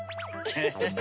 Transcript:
フフフ！